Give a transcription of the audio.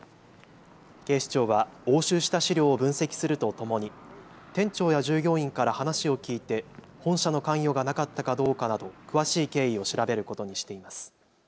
警視庁は押収した資料を分析するとともに店長や従業員から話を聞いて本社の関与がなかったかどうかなど詳しい経緯を調べることにしています。